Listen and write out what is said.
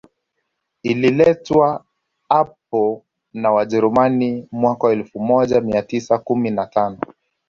Ililetwa hapo na Wajerumani mwaka elfu moja mia tisa kumi na tano